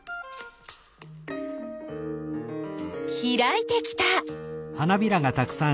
ひらいてきた。